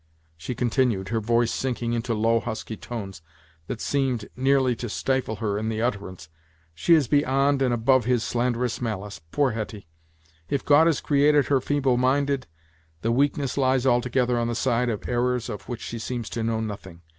she continued, her voice sinking into low, husky tones, that seemed nearly to stifle her in the utterance; "she is beyond and above his slanderous malice! Poor Hetty! If God has created her feeble minded, the weakness lies altogether on the side of errors of which she seems to know nothing.